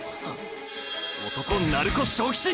男鳴子章吉！！